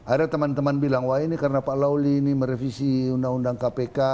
ada teman teman bilang wah ini karena pak lawli ini merevisi undang undang kpk